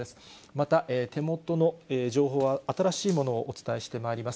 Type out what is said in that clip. また、手元の情報は新しいものをお伝えしてまいります。